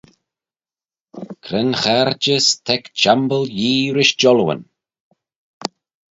Cre'n chaarjys ta ec çhiamble Yee rish jallooyn?